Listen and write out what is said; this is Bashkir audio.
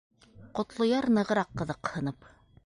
Ҡотлояр, нығыраҡ ҡыҙыҡһынып: